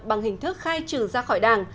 bằng hình thức khai trừ ra khỏi đảng